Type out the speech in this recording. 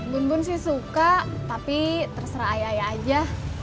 bun bun sih suka tapi terserah ayah ayah aja